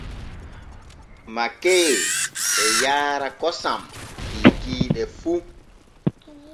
Makee e yaara kosam kiikiiɗe fu.